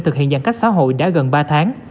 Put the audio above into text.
thực hiện giãn cách xã hội đã gần ba tháng